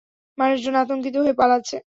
মানুষজন আতংকিত হয়ে পালাচ্ছে!